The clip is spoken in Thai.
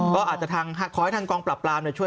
ก็อาจจะขอให้ทางกลางปลาปลาม